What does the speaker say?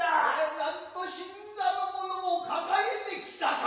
なんと新参の者を抱へてきたか。